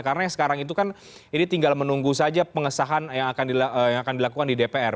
karena sekarang itu kan ini tinggal menunggu saja pengesahan yang akan dilakukan di dpr